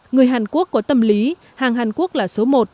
người hàn quốc có tâm lý hàng hàn quốc là số một